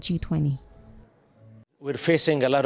disrupsi dari jaringan penyelenggaraan